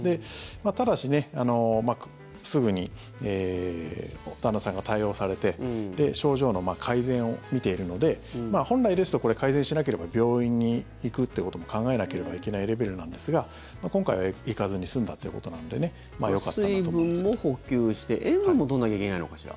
ただしすぐに旦那さんが対応されて症状の改善を見ているので本来ですとこれ、改善しなければ病院に行くっていうことも考えなければいけないレベルなんですが、今回は行かずに済んだということなんで水分も補給して塩分も取らなきゃいけないのかしら。